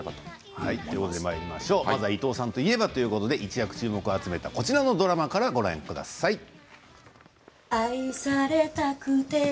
まずは伊藤さんといえばということで一躍注目を集めたこちらのドラマからご覧ください。